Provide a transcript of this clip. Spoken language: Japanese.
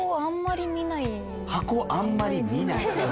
箱をあんまり見ないんで。